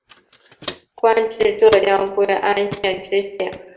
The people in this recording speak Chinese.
官至浙江归安县知县。